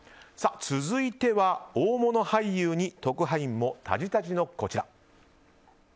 続いては大物俳優に特派員もタジタジのこちら。